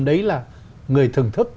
đấy là người thưởng thức